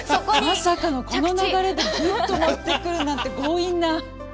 まさかこの流れでグッと持ってくるなんて強引な。